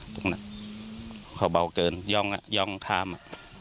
ตรงนั้นเขาเบาเกินย่องอ่ะย่องข้ามอ่ะ